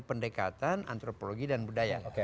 pendekatan antropologi dan budaya